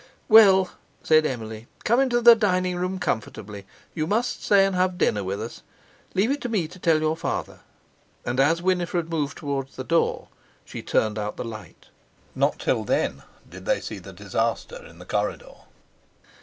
"Well," said Emily, "come into the dining room comfortably—you must stay and have dinner with us. Leave it to me to tell your father." And, as Winifred moved towards the door, she turned out the light. Not till then did they see the disaster in the corridor.